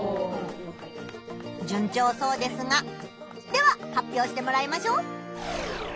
じゅん調そうですがでは発表してもらいましょう！